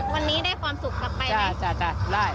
วันนี้ได้ความสุขกลับไปไหมจ้ะได้